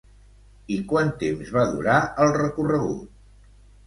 I quant temps va durar el recorregut?